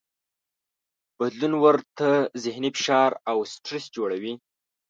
بدلون ورته ذهني فشار او سټرس جوړوي.